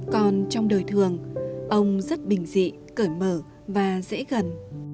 còn trong đời thường ông rất bình dị cởi mở và dễ gần